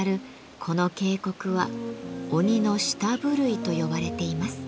この渓谷は「鬼の舌震」と呼ばれています。